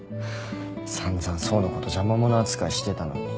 散々想のこと邪魔者扱いしてたのに。